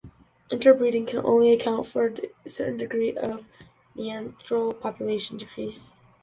Interbreeding can only account for a certain degree of Neanderthal population decrease.